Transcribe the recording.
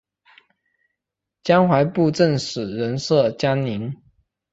江淮布政使仍设江宁。